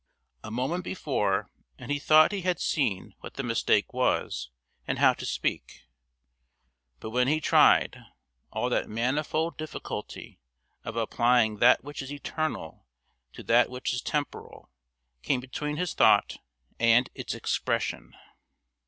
A moment before and he thought he had seen what the mistake was and how to speak, but when he tried, all that manifold difficulty of applying that which is eternal to that which is temporal came between his thought and its expression.